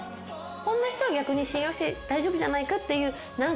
こんな人は逆に信用して大丈夫じゃないかっていうポイントがあれば。